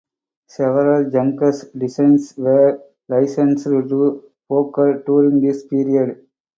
Several Junkers designs were licensed to Fokker during this period.